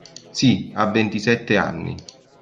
Sì, a ventisette anni.